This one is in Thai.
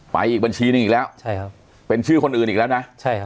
ไปอีกบัญชีนึงอีกแล้วเป็นชื่อคนอื่นอีกแล้วนะ